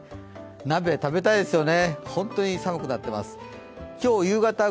鍋、食べたいですよね。